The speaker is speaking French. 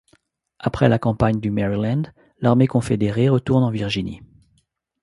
Après la campagne du Maryland, l'armée confédérée retourne en Virginie.